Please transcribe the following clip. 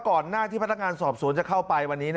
ก่อนหน้าที่พนักงานสอบสวนจะเข้าไปวันนี้